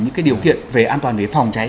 những điều kiện về an toàn về phòng cháy